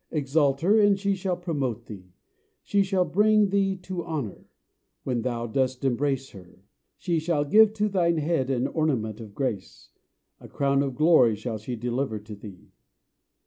Exalt her, and she shall promote thee: she shall bring thee to honour, when thou dost embrace her. She shall give to thine head an ornament of grace: a crown of glory shall she deliver to thee.